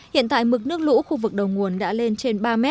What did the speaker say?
hiện tại mức nước lũ khu vực đầu nguồn đã lên trên ba mươi